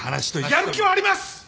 やる気はあります！